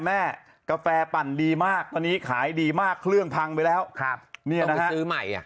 แม่กาแฟปั่นดีมากตอนนี้ขายดีมากเครื่องพังไปแล้วต้องไปซื้อใหม่